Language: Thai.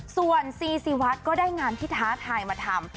ส่วนซีซีวัดก็ได้งานที่ท้าทายมาทำ